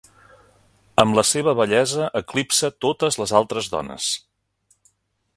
Amb la seva bellesa eclipsa totes les altres dones!